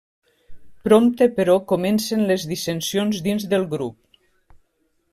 Prompte, però, comencen les dissensions dins del grup.